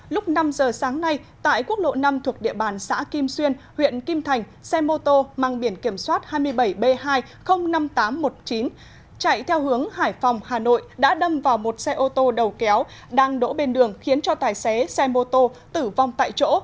lúc năm giờ sáng nay tại quốc lộ năm thuộc địa bàn xã kim xuyên huyện kim thành xe mô tô mang biển kiểm soát hai mươi bảy b hai trăm linh năm nghìn tám trăm một mươi chín chạy theo hướng hải phòng hà nội đã đâm vào một xe ô tô đầu kéo đang đỗ bên đường khiến cho tài xế xe mô tô tử vong tại chỗ